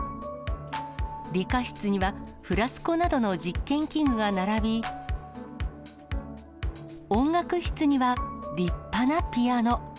理科室にはフラスコなどの実験器具が並び、音楽室には立派なピアノ。